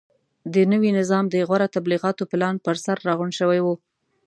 د نوي نظام د غوره تبلیغاتي پلان پرسر راغونډ شوي وو.